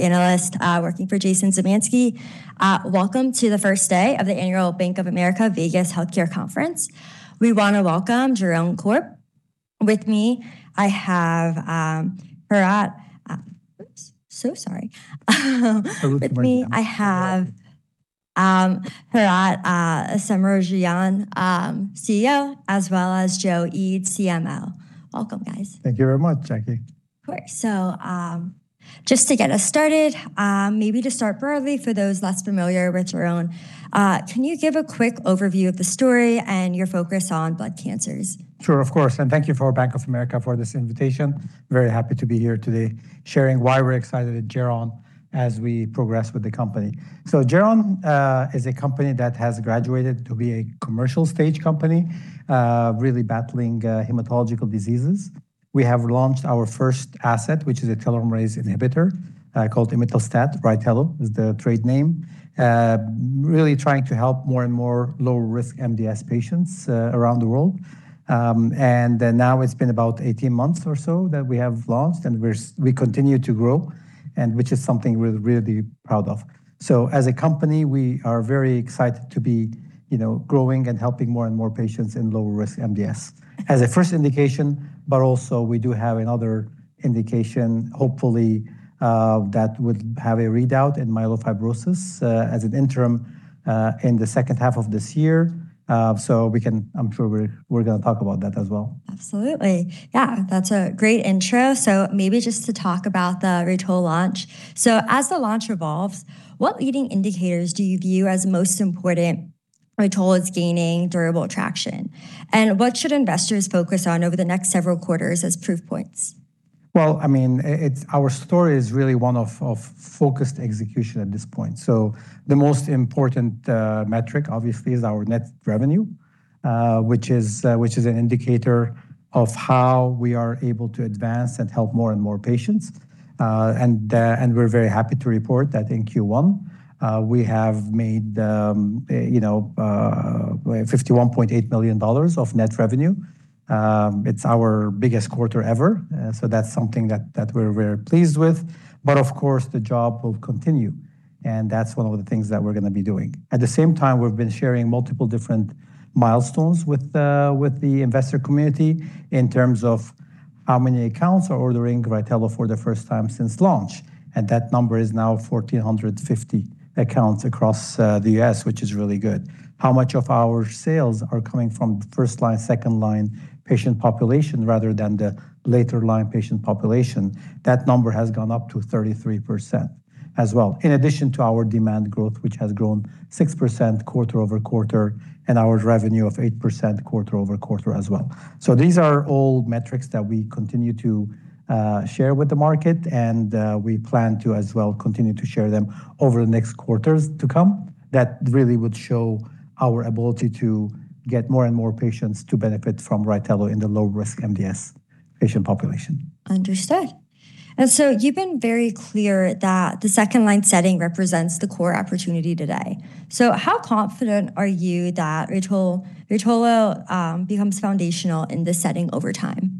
Analyst, working for Jason Zemansky. Welcome to the first day of the annual Bank of America Vegas Healthcare Conference. We wanna welcome Geron Corp. With me, I have Harout. Oops, so sorry. Hope it's working now. With me, I have Harout Semerjian, CEO, as well as Joseph Eid, CMO. Welcome, guys. Thank you very much, Jackie. Of course. Just to get us started, maybe to start broadly for those less familiar with Geron, can you give a quick overview of the story and your focus on blood cancers? Sure, of course, thank you for Bank of America for this invitation. Very happy to be here today, sharing why we're excited at Geron as we progress with the company. Geron is a company that has graduated to be a commercial stage company, really battling hematological diseases. We have launched our first asset, which is a telomerase inhibitor, called imetelstat, RYTELO is the trade name. Really trying to help more and more low-risk MDS patients around the world. Now it's been about 18 months or so that we have launched, we continue to grow, and which is something we're really proud of. As a company, we are very excited to be, you know, growing and helping more and more patients in low-risk MDS. As a first indication, also we do have another indication, hopefully, that would have a readout in myelofibrosis, as an interim, in the second half of this year. I'm sure we're gonna talk about that as well. Absolutely. Yeah, that's a great intro. Maybe just to talk about the RYTELO launch. As the launch evolves, what leading indicators do you view as most important RYTELO's gaining durable traction, and what should investors focus on over the next several quarters as proof points? Our story is really one of focused execution at this point. The most important metric obviously is our net revenue, which is an indicator of how we are able to advance and help more and more patients. We're very happy to report that in Q1, we have made, you know, $51.8 million of net revenue. It's our biggest quarter ever, so that's something that we're very pleased with. Of course, the job will continue, and that's one of the things that we're gonna be doing. At the same time, we've been sharing multiple different milestones with the investor community in terms of how many accounts are ordering RYTELO for the first time since launch, and that number is now 1,450 accounts across the U.S., which is really good. How much of our sales are coming from first-line, second-line patient population rather than the later line patient population? That number has gone up to 33% as well, in addition to our demand growth, which has grown 6% quarter-over-quarter and our revenue of 8% quarter-over-quarter as well. These are all metrics that we continue to share with the market and we plan to as well continue to share them over the next quarters to come. That really would show our ability to get more and more patients to benefit from RYTELO in the low-risk MDS patient population. Understood. You've been very clear that the second-line setting represents the core opportunity today. How confident are you that RYTELO becomes foundational in this setting over time?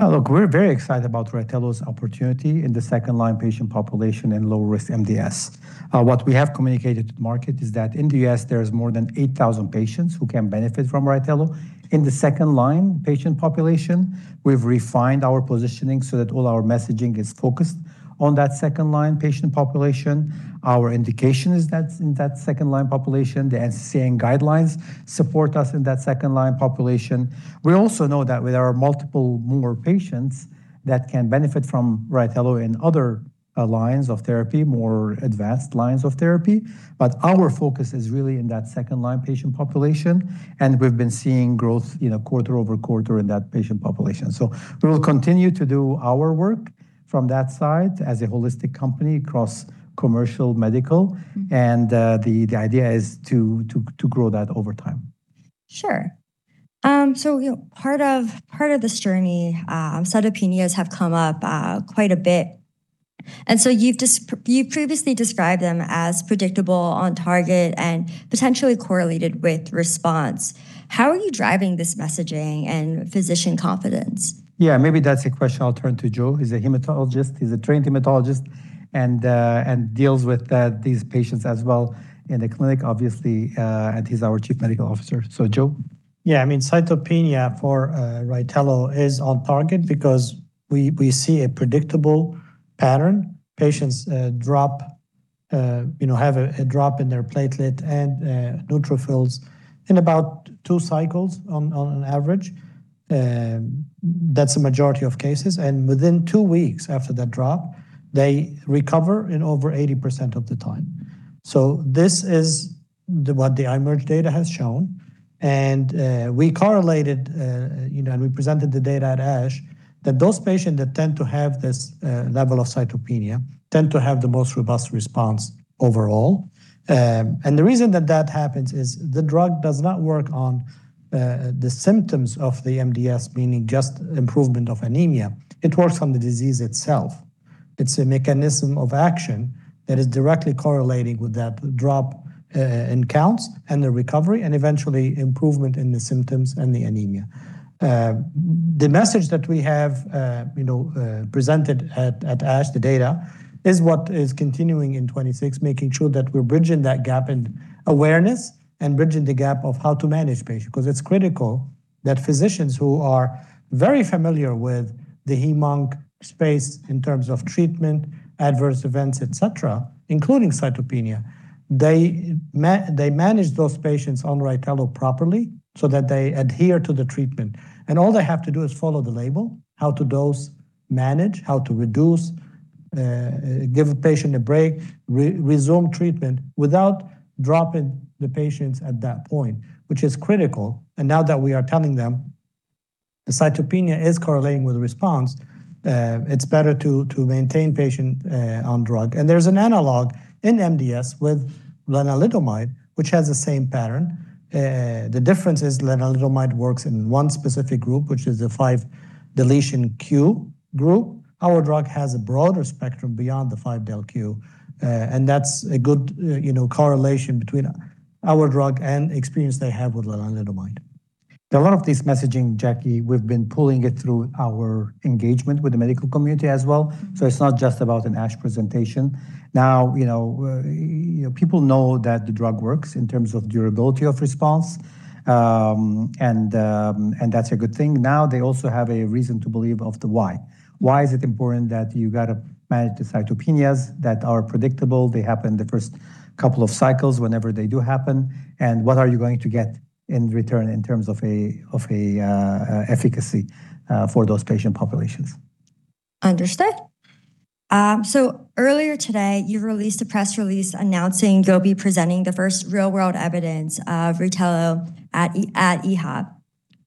Oh, look, we're very excited about RYTELO's opportunity in the second-line patient population in low-risk MDS. What we have communicated to the market is that in the U.S. there is more than 8,000 patients who can benefit from RYTELO. In the second-line patient population, we've refined our positioning so that all our messaging is focused on that second-line patient population. Our indication is that in that second-line population, the NCCN Guidelines support us in that second-line population. We also know that there are multiple more patients that can benefit from RYTELO in other lines of therapy, more advanced lines of therapy. But our focus is really in that second-line patient population, and we've been seeing growth, you know, quarter-over-quarter in that patient population. We will continue to do our work from that side as a holistic company across commercial medical, and the idea is to grow that over time. Sure. You know, part of this journey, cytopenias have come up quite a bit. You've previously described them as predictable, on target, and potentially correlated with response. How are you driving this messaging and physician confidence? Maybe that's a question I'll turn to Joe. He's a hematologist. He's a trained hematologist and deals with these patients as well in the clinic, obviously, and he's our Chief Medical Officer. Joe? I mean, cytopenia for RYTELO is on target because we see a predictable pattern. Patients drop, you know, have a drop in their platelet and neutrophils in about two cycles on average. That's a majority of cases, and within two weeks after that drop, they recover in over 80% of the time. This is what the IMerge data has shown, and we correlated, you know, and we presented the data at ASH, that those patients that tend to have this level of cytopenia tend to have the most robust response overall. The reason that that happens is the drug does not work on the symptoms of the MDS, meaning just improvement of anemia. It works on the disease itself. It's a mechanism of action. That is directly correlating with that drop in counts and the recovery, and eventually improvement in the symptoms and the anemia. The message that we have, you know, presented at ASH, the data, is what is continuing in 2026, making sure that we're bridging that gap in awareness and bridging the gap of how to manage patient. 'Cause it's critical that physicians who are very familiar with the hem-onc space in terms of treatment, adverse events, et cetera, including cytopenia, they manage those patients on RYTELO properly so that they adhere to the treatment. All they have to do is follow the label, how to dose, manage, how to reduce, give a patient a break, re-resume treatment without dropping the patients at that point, which is critical. Now that we are telling them the cytopenia is correlating with response, it's better to maintain patient on drug. There's an analog in MDS with lenalidomide, which has the same pattern. The difference is lenalidomide works in one specific group, which is the 5 deletion Q group. Our drug has a broader spectrum beyond the 5 del Q, and that's a good, you know, correlation between our drug and experience they have with lenalidomide. A lot of this messaging, Jackie, we've been pulling it through our engagement with the medical community as well, so it's not just about an ASH presentation. Now, you know, you know, people know that the drug works in terms of durability of response, and that's a good thing. Now they also have a reason to believe of the why. Why is it important that you gotta manage the cytopenias that are predictable, they happen the first couple of cycles whenever they do happen, and what are you going to get in return in terms of a, of a, efficacy for those patient populations? Understood. Earlier today, you released a press release announcing you'll be presenting the first real-world evidence of RYTELO at EHA.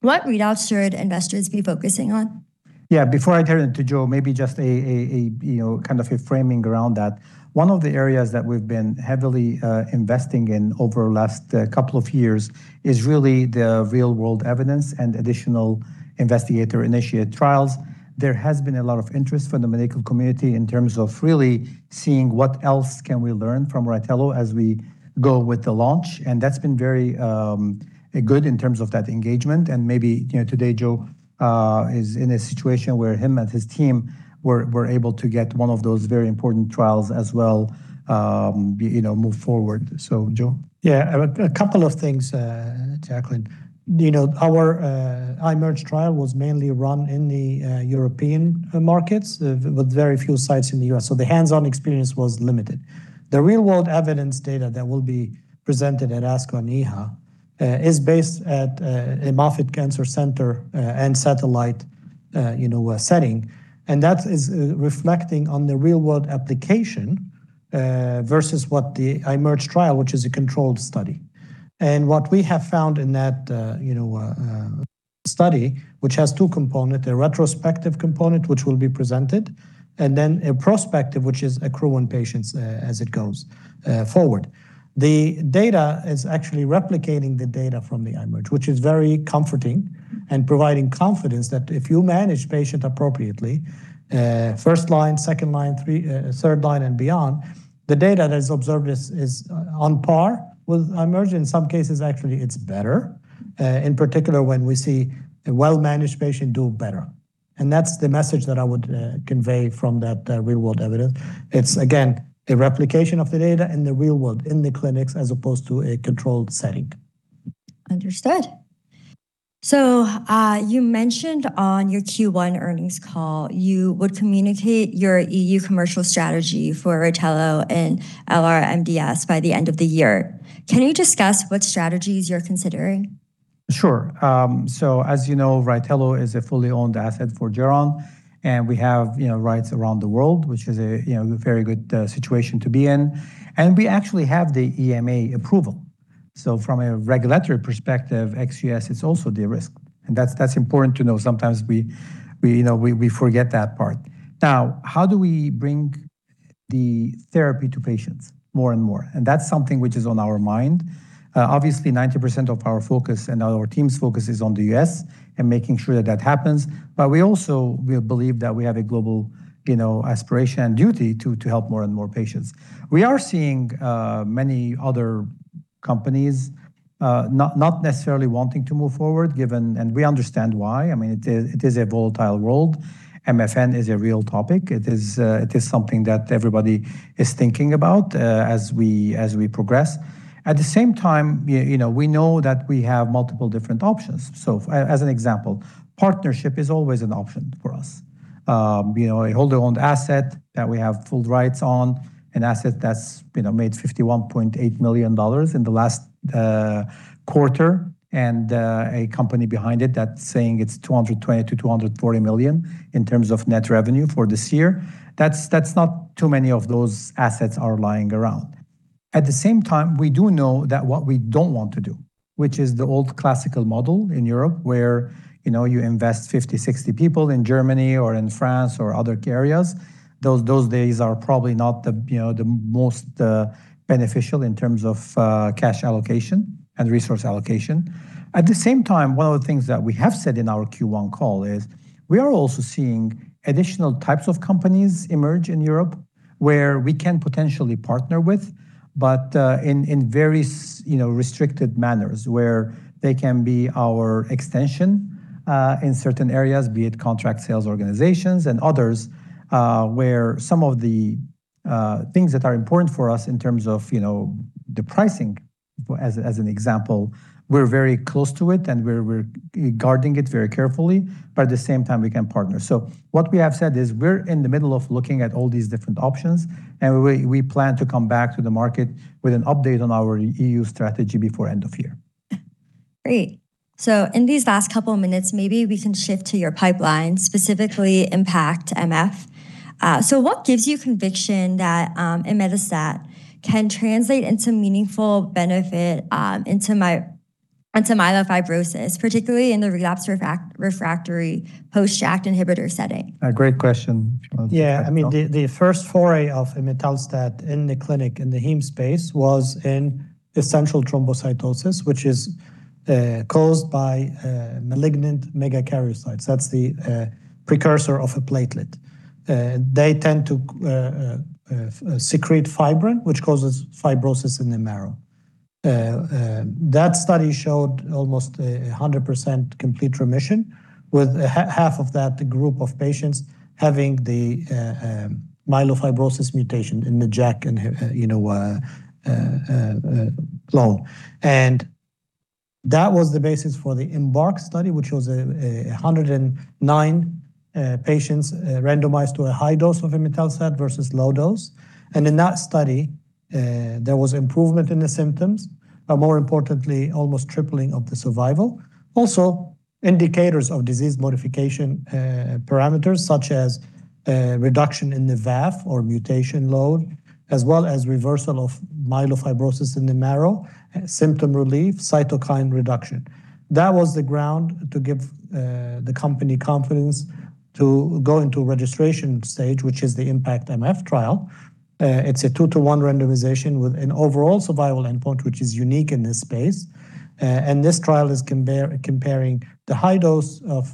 What readouts should investors be focusing on? Yeah. Before I turn it to Joe, maybe just a, you know, kind of a framing around that. One of the areas that we've been heavily investing in over last couple of years is really the real-world evidence and additional investigator-initiated trials. There has been a lot of interest from the medical community in terms of really seeing what else can we learn from RYTELO as we go with the launch, that's been very good in terms of that engagement. Maybe, you know, today Joe is in a situation where him and his team were able to get one of those very important trials as well, you know, move forward. Joe? Yeah. A couple of things, Jacqueline. You know, our IMerge trial was mainly run in the European markets with very few sites in the U.S., so the hands-on experience was limited. The real-world evidence data that will be presented at ASCO and EHA is based at a Moffitt Cancer Center and satellite, you know, setting. That is reflecting on the real-world application versus what the IMerge trial, which is a controlled study. What we have found in that, you know, study, which has two component, a retrospective component, which will be presented, then a prospective, which is accruing patients as it goes forward. The data is actually replicating the data from the IMerge, which is very comforting and providing confidence that if you manage patient appropriately, first line, second line, three, third line and beyond, the data that is observed is on par with IMerge. In some cases, actually, it's better, in particular, when we see a well-managed patient do better. That's the message that I would convey from that real-world evidence. It's, again, a replication of the data in the real world, in the clinics, as opposed to a controlled setting. Understood. You mentioned on your Q1 earnings call you would communicate your EU commercial strategy for RYTELO and LR-MDS by the end of the year. Can you discuss what strategies you're considering? Sure. As you know, RYTELO is a fully owned asset for Geron, and we have, you know, rights around the world, which is a, you know, very good situation to be in. We actually have the EMA approval. From a regulatory perspective, ex-U.S., it's also de-risked, and that's important to know. Sometimes we, you know, we forget that part. Now, how do we bring the therapy to patients more and more? That's something which is on our mind. Obviously, 90% of our focus and our team's focus is on the U.S. and making sure that that happens. We also believe that we have a global, you know, aspiration and duty to help more and more patients. We are seeing many other companies not necessarily wanting to move forward. We understand why. I mean, it is a volatile world. MFN is a real topic. It is something that everybody is thinking about as we progress. At the same time, you know, we know that we have multiple different options. As an example, partnership is always an option for us. You know, a wholly owned asset that we have full rights on, an asset that's, you know, made $51.8 million in the last quarter, and a company behind it that's saying it's $220 million-$240 million in terms of net revenue for this year. That's not too many of those assets are lying around. At the same time, we do know that what we don't want to do, which is the old classical model in Europe, where, you know, you invest 50, 60 people in Germany or in France or other areas. Those days are probably not the, you know, the most beneficial in terms of cash allocation and resource allocation. At the same time, one of the things that we have said in our Q1 call is we are also seeing additional types of companies emerge in Europe, where we can potentially partner with, but in various, you know, restricted manners where they can be our extension in certain areas, be it contract sales organizations and others, where some of the things that are important for us in terms of, you know, the pricing as an example, we're very close to it and we're guarding it very carefully, but at the same time we can partner. What we have said is we're in the middle of looking at all these different options, and we plan to come back to the market with an update on our EU strategy before end of year. Great. In these last couple of minutes, maybe we can shift to your pipeline, specifically IMpactMF. What gives you conviction that imetelstat can translate into meaningful benefit into myelofibrosis, particularly in the relapsed refractory post-JAK inhibitor setting? A great question, if you want to take that, Joe. Yeah. I mean, the first foray of imetelstat in the clinic in the heme space was in essential thrombocytosis, which is caused by malignant megakaryocytes. That's the precursor of a platelet. They tend to secrete fibrin, which causes fibrosis in the marrow. That study showed almost 100% complete remission, with half of that group of patients having the myelofibrosis mutation in the JAK and, you know, clone. That was the basis for the IMbark study, which was 109 patients randomized to a high dose of imetelstat versus low dose. In that study, there was improvement in the symptoms, but more importantly, almost tripling of the survival. Indicators of disease modification, parameters such as reduction in the VAF or mutation load, as well as reversal of myelofibrosis in the marrow, symptom relief, cytokine reduction. That was the ground to give the company confidence to go into registration stage, which is the IMpactMF trial. It's a two-to-one randomization with an overall survival endpoint, which is unique in this space. And this trial is comparing the high dose of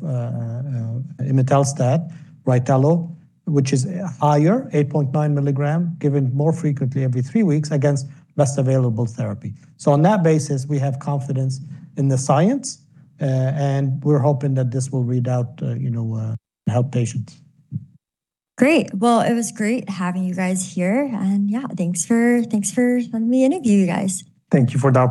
imetelstat, RYTELO, which is higher, 8.9 mg, given more frequently every three weeks against best available therapy. On that basis, we have confidence in the science, and we're hoping that this will read out, you know, help patients. Great. Well, it was great having you guys here. Yeah, thanks for letting me interview you guys. Thank you for the opportunity.